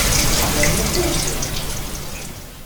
Terniḍ taεẓegt!